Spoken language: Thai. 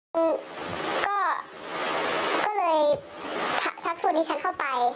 คือก็เลยชักชวนดิฉันเข้าไป